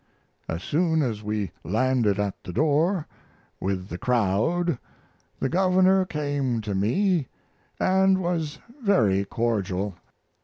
As soon as we landed at the door with the crowd the Governor came to me& was very cordial.